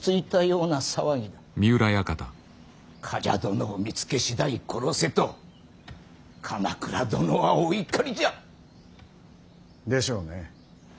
冠者殿を見つけ次第殺せと鎌倉殿はお怒りじゃ。でしょうね。